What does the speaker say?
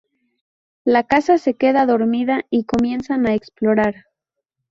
La casa se queda dormida y comienzan a explorar.